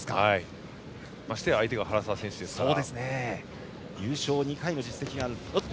ましてや相手が原沢選手ですから。